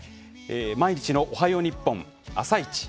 毎日の「おはよう日本」「あさイチ」